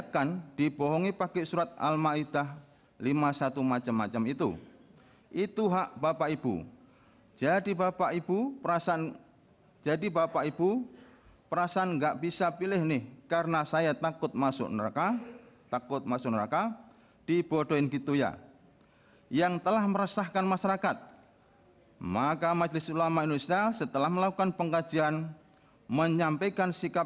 kepulauan seribu kepulauan seribu